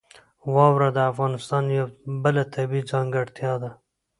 واوره د افغانستان یوه بله طبیعي ځانګړتیا ده.